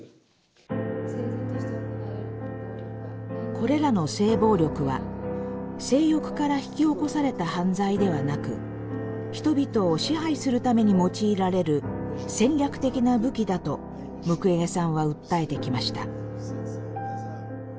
これらの性暴力は性欲から引き起こされた犯罪ではなく人々を支配するために用いられる戦略的な武器だとムクウェゲさんは訴えてきました。